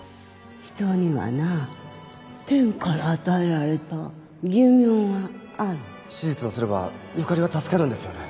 人にはな天から与えられた手術をすればゆかりは助かるんですよね。